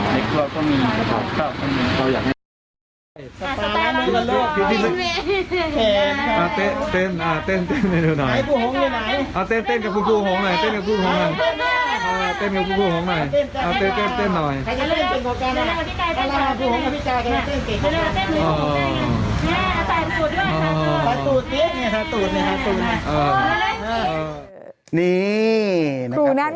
เน็ตตัวเล็กมันก็นะ